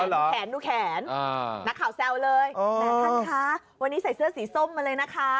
ดูแขนดูแขนนักข่าวแซวเลยแหมท่านคะวันนี้ใส่เสื้อสีส้มมาเลยนะคะ